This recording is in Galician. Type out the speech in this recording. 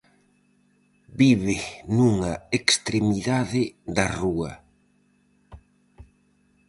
Vive nunha extremidade da rúa.